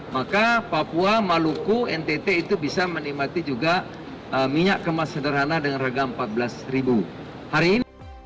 maka papua maluku ntt itu bisa menikmati juga minyak kemas sederhana dengan harga rp empat belas hari ini